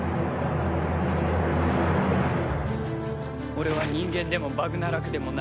俺は人間でもバグナラクでもない。